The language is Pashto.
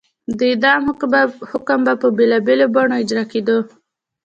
د اعدام حکم به په بېلابېلو بڼو اجرا کېده.